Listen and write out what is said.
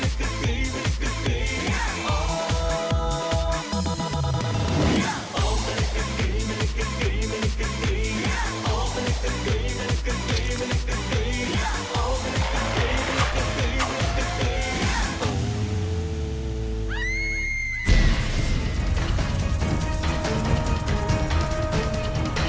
โอ้อามาริกาเกมีริกาเกมีริกาเกมี